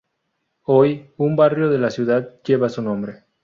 Hoy un barrio de la ciudad lleva su nombre.